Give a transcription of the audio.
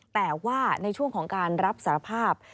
แต่ว่าในช่วงของการรับสารภาพ